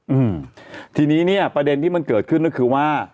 อืมทีนี้เนี้ยประเด็นที่มันเกิดขึ้นก็คือว่า